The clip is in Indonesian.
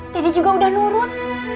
dede juga udah nurut